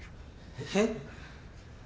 えっ？